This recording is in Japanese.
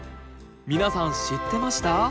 皆さん知ってました？